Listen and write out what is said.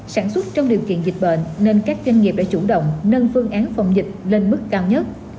sản xuất trong điều kiện dịch bệnh nên các doanh nghiệp đã chủ động nâng phương án phòng dịch lên mức cao nhất